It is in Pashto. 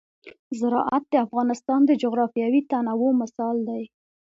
زراعت د افغانستان د جغرافیوي تنوع مثال دی.